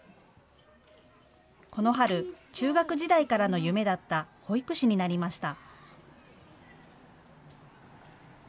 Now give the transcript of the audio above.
この春、中学時代からの夢だった保育士になりました。